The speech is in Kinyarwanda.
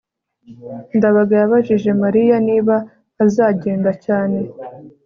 ndabaga yabajije mariya niba azagenda cyane